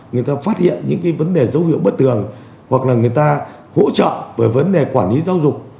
người ta phát hiện những vấn đề dấu hiệu bất tường hoặc là người ta hỗ trợ về vấn đề quản lý giáo dục